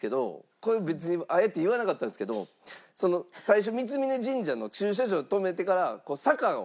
これ別にあえて言わなかったんですけど最初三峯神社の駐車場止めてから。